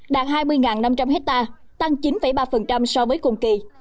đạt hai mươi năm trăm linh hectare tăng chín ba so với cùng kỳ